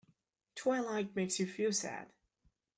Twilight makes you feel sad.